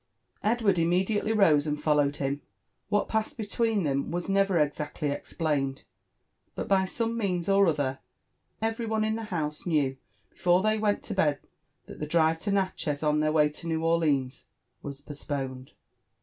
Edward immediately rose and followed him. What passed bcH twaeo tlioai was oever exactly explained ; but, by some means or Other* every 01^ in the house knew before they went to bed thai the drive to Natchez on their way to New Orleans was postponed.